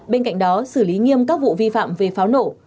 bên cạnh đó xử lý nghiêm các vụ vi phạm về pháo nổ